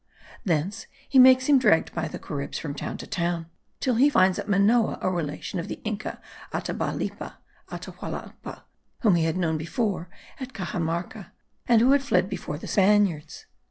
Thence he makes him dragged by the Caribs from town to town, till he finds at Manoa a relation of the inca Atabalipa (Atahualpa), whom he had known before at Caxamarca, and who had fled before the Spaniards.